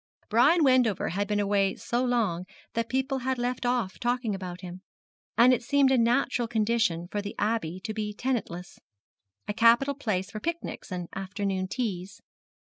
Brian Wendover had been away so long that people had left off talking about him; and it seemed a natural condition for the Abbey to be tenantless a capital place for picnics and afternoon teas.